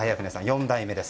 ４代目です。